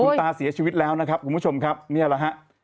คุณตาเสียชีวิตแล้วนะครับคุณผู้ชมครับนี่แหละฮะ